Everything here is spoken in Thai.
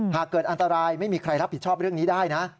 หากเกิดอันตรายไม่มีใครรับผิดชอบเรื่องนี้ได้นะ